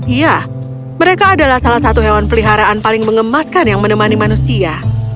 iya mereka adalah salah satu hewan peliharaan paling mengemaskan yang menemani manusia